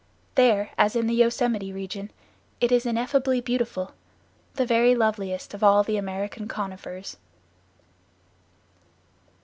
There, as in the Yosemite region, it is ineffably beautiful, the very loveliest of all the American conifers.